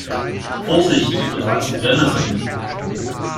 Vorsicht, dort wachsen Brennnesseln.